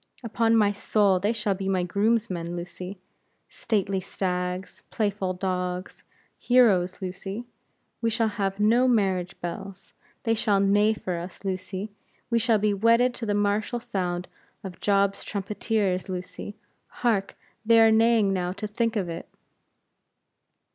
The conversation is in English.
Upon my soul, they shall be my groomsmen, Lucy. Stately stags! playful dogs! heroes, Lucy. We shall have no marriage bells; they shall neigh for us, Lucy; we shall be wedded to the martial sound of Job's trumpeters, Lucy. Hark! they are neighing now to think of it."